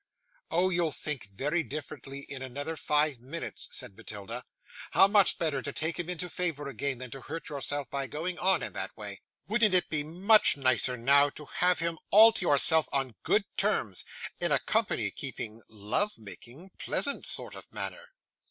'Oh! you'll think very differently in another five minutes,' said Matilda. 'How much better to take him into favour again, than to hurt yourself by going on in that way. Wouldn't it be much nicer, now, to have him all to yourself on good terms, in a company keeping, love making, pleasant sort of manner?